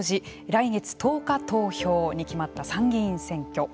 来月１０日投票に決まった参議院選挙。